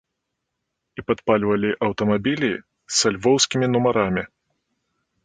І падпальвалі аўтамабілі са львоўскімі нумарамі.